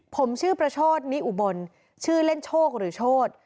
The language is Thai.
ผมชื่อประโชธนิอุบลชื่อเล่นโชคหรือโชธ